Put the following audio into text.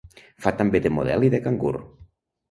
Fa també de model i de cangur.